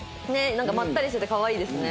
なんかまったりしてて可愛いですね。